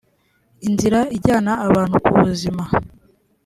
inzira ijyana abantu ku buzima